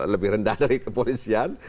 lebih rendah dari kepolisian